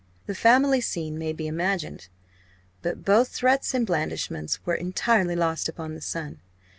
The family scene may be imagined. But both threats and blandishments were entirely lost upon the son.